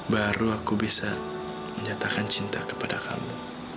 baru aku bisa menyatakan cinta kepada kamu